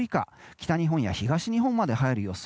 北日本や東日本まで入る予想。